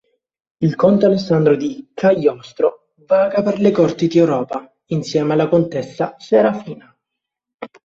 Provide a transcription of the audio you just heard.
Il conte Alessandro di Cagliostro vaga per le corti d'Europa, insieme alla contessa Serafina.